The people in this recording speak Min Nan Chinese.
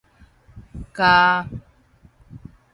共